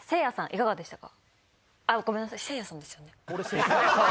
いかがでしたか？